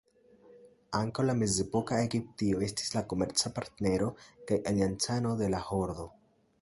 Ankaŭ la mezepoka Egiptio estis la komerca partnero kaj aliancano de la Hordo.